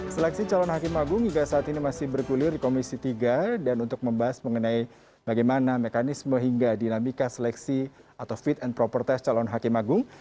seleksi calon hakim agung hingga saat ini masih bergulir di komisi tiga dan untuk membahas mengenai bagaimana mekanisme hingga dinamika seleksi atau fit and proper test calon hakim agung